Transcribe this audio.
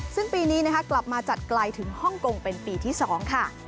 ซึ่งปีนี้นะคะกลับมาจัดไกลถึงฮ่องกงเป็นปีที่๒ค่ะ